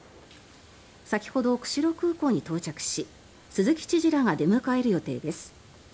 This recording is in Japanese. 先ほど釧路空港に到着し鈴木知事らが出迎える予定です。